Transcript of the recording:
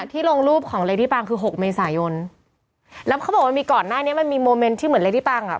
ลงรูปของเรดี้ปังคือหกเมษายนแล้วเขาบอกว่ามีก่อนหน้านี้มันมีโมเมนต์ที่เหมือนเรดี้ปังอ่ะ